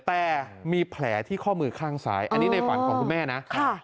แต่มีแผลที่ข้อมือข้างซ้ายอันนี้ในฝันของคุณแม่นะ